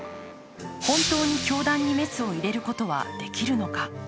本当に教団にメスを入れることはできるのか。